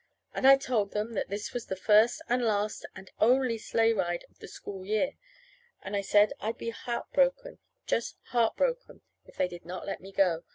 And I told them, that this was the first and last, and only sleigh ride of the school that year; and I said I'd be heart broken, just heart broken, if they did not let me go.